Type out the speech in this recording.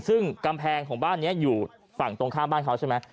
ซึ่งกำแพงของบ้านนี้อยู่ฝั่งตรงข้ามบ้านเขาใช่ไหม